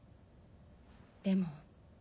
でも。